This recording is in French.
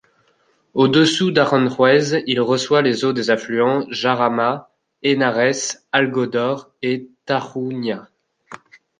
Au-dessous d'Aranjuez, il reçoit les eaux des affluents Jarama, Henares, Algodor et Tajuña.